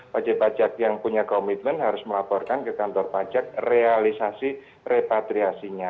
wajib pajak yang punya komitmen harus melaporkan ke kantor pajak realisasi repatriasinya